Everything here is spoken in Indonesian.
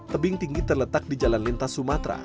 tebing tinggi terletak di jalan lintas sumatera